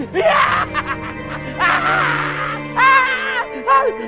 banyak penghuni nih